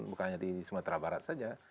bukannya di sumatera barat saja